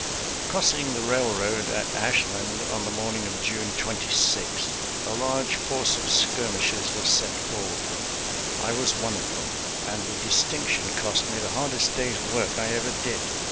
Crossing the railroad at Ashland on the morn ing of June 26, a large force of skirmishers was sent forward. I was one of them, and the dis tinction cost me the hardest day's work I ever did.